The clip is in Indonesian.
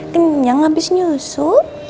kenyang abis nyusu